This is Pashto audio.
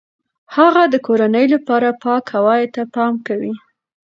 هغه د کورنۍ لپاره پاک هوای ته پام کوي.